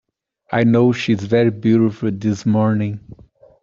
I know she is very beautiful this morning.